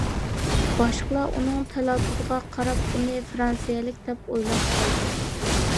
باشقىلار ئۇنىڭ تەلەپپۇزىغا قاراپ ئۇنى فىرانسىيەلىك دەپ ئويلاپ قالىدۇ.